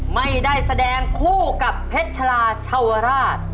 ไม่ได้แสดงคู่กับเพชราชาวราช